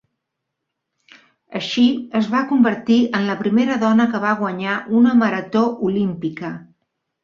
Així, es va convertir en la primera dona que va guanyar una marató olímpica.